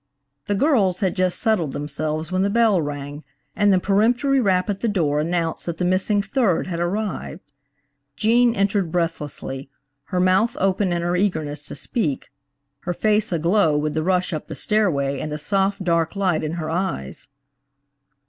The girls had just settled themselves when the bell rang and the peremptory rap at the door announced that the missing third had arrived. Gene entered breathlessly, her mouth open in her eagerness to speak, her face aglow with the rush up the stairway and a soft, dark light in her eyes.